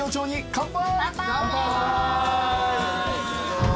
乾杯！